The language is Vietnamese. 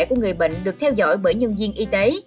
của người bệnh được theo dõi bởi nhân viên y tế